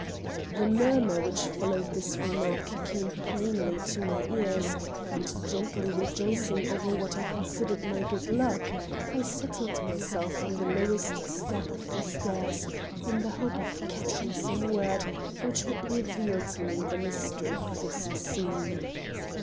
The murmur which followed this remark came plainly to my ears, and, greatly rejoicing over what I considered my good luck, I settled myself on the lowest step of the stairs in the hope of catching some word which would reveal to me the mystery of this scene.